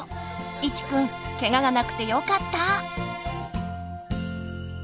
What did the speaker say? イチくんケガがなくてよかった。